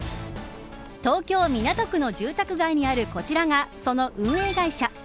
東京、港区の住宅街にあるこちらがその運営会社。